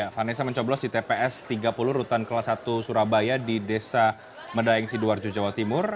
vanessa mencoblos di tps tiga puluh rutan kelas satu surabaya di desa medaeng sidoarjo jawa timur